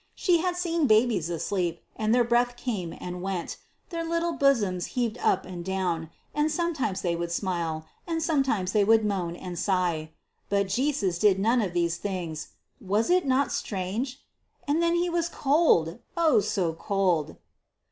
She had seen babies asleep, and their breath came and went their little bosoms heaved up and down, and sometimes they would smile, and sometimes they would moan and sigh. But Jesus did none of all these things: was it not strange? And then he was cold oh, so cold!